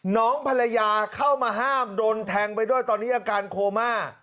น้องภรรยาเข้ามาห้ามโดนแทงไปด้วยตอนนี้อาการโคม่า